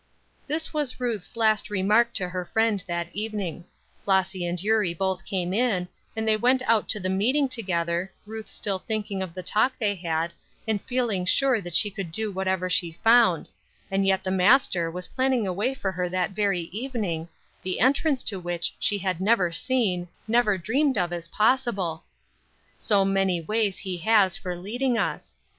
This was Ruth's last remark to her friend that evening. Flossy and Eurie both came in, and they went out to the meeting together, Ruth thinking still of the talk they had, and feeling sure that she could do whatever she found, and yet the Master was planning a way for her that very evening, the entrance to which she had never seen, never dreamed of as possible. So many ways he has for leading us!